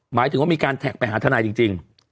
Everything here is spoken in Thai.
หมายถึงว่ามีการแท็กไปหาทนายจริง